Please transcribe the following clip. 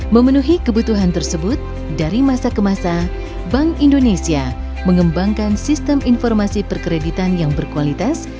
memenuhi kebutuhan tersebut dari masa ke masa bank indonesia mengembangkan sistem informasi perkreditan yang berkualitas